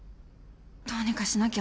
どうにかしなきゃ。